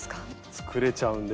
作れちゃうんです。